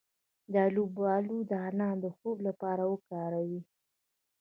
د الوبالو دانه د خوب لپاره وکاروئ